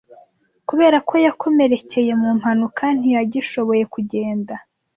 Kubera ko yakomerekeye mu mpanuka, ntiyagishoboye kugenda.